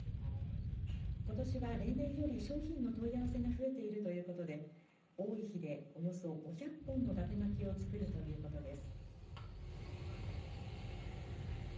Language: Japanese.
ことしは、例年より商品の問い合わせが増えているということで多い日で、およそ５００本のだて巻きをつくるということです。